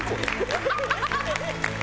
ハハハハ！